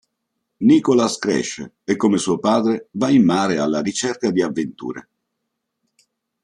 Nicholas cresce, e come suo padre, va in mare alla ricerca di avventure.